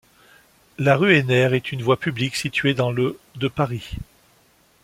La rue Henner est une voie publique située dans le de Paris.